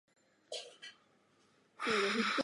পৌরোহিত্য-প্রথা স্বভাবতই নিষ্ঠুর ও নিষ্করুণ।